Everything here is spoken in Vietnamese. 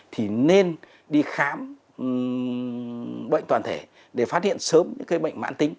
thì nên đi khám bệnh toàn thể để phát hiện sớm những cái bệnh mãn tính